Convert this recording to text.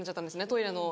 トイレの。